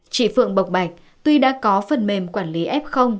chị phượng bộc bạch tuy đã có phần mềm quản lý f